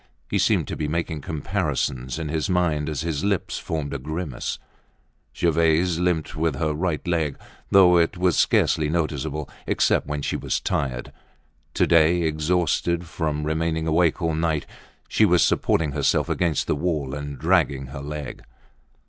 He seemed to be making comparisons in his mind as his lips formed a grimace. Gervaise limped with her right leg, though it was scarcely noticeable except when she was tired. To day, exhausted from remaining awake all night, she was supporting herself against the wall and dragging her leg.